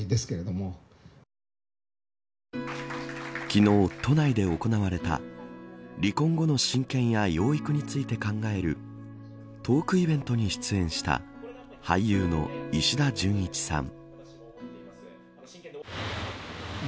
昨日、都内で行われた離婚後の親権や養育について考えるトークイベントに出演した俳優の石田純一さん。